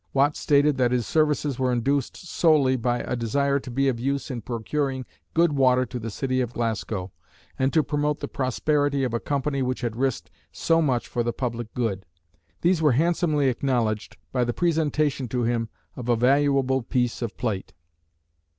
Watt stated that his services were induced solely by a desire to be of use in procuring good water to the city of Glasgow, and to promote the prosperity of a company which had risked so much for the public good. These were handsomely acknowledged by the presentation to him of a valuable piece of plate.